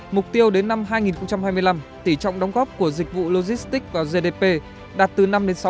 mục tiêu đến năm hai nghìn hai mươi năm tỷ trọng đóng góp của dịch vụ logistics vào gdp đạt từ năm đến sáu